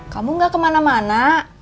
kamu nggak kemana mana